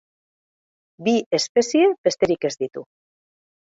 Bi espezie besterik ez ditu.